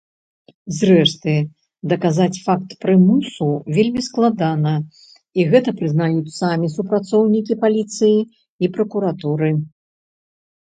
Зрэшты, даказаць факт прымусу вельмі складана, і гэта прызнаюць самі супрацоўнікі паліцыі і пракуратуры.